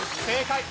正解。